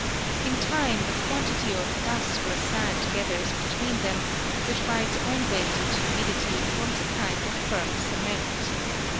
In time a quantity of dust or sand gathers between them which by its own weight and humi dity forms a kind of firm cement.